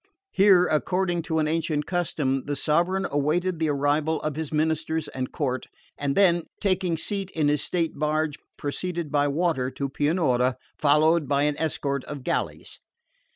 Here, according to an ancient custom, the sovereign awaited the arrival of his ministers and court; and then, taking seat in his state barge, proceeded by water to Pianura, followed by an escort of galleys.